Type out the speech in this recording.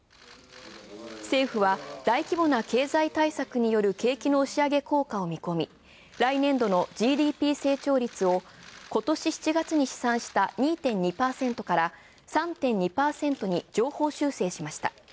政府は大規模な経済対策による景気の押し上げ効果を見込み、来年度のＧＤＰ成長率を今年７月に試算した２．２％から、３．２％に上方修正しました。